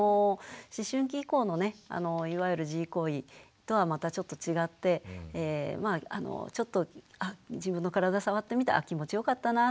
思春期以降のねいわゆる自慰行為とはまたちょっと違ってまあちょっと自分の体触ってみて気持ちよかったな